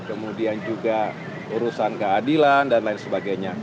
kemudian juga urusan keadilan dan lain sebagainya